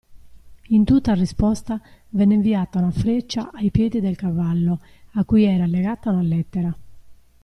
In tutta risposta, venne inviata una freccia ai piedi del cavallo, a cui era legata una lettera.